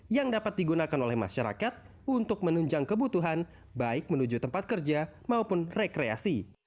yang dapat digunakan oleh masyarakat untuk menunjang kebutuhan baik menuju tempat kerja maupun rekreasi